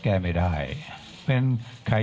ขอบพระคุณนะครับ